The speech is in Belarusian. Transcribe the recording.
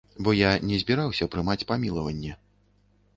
Бо я не збіраўся прымаць памілаванне.